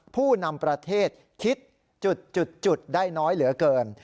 ผู้นำประเทศคิดจุดได้น้อยเหลือเกิน